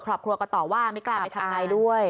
ครอบครัวก็ต่อว่าไม่กล้าไปทำอะไรด้วย